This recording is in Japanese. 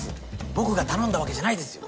僕が頼んだわけじゃないですよ。